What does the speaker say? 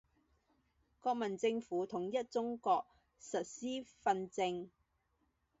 国民政府统一中国，实施训政。